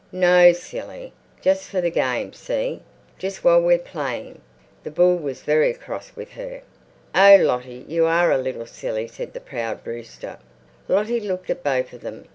"No, silly. Just for the game, see? Just while we're playing." The bull was very cross with her. "Oh, Lottie, you are a little silly," said the proud rooster. Lottie looked at both of them.